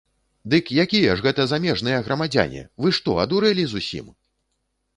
Дык якія ж гэта замежныя грамадзяне, вы што, адурэлі зусім?!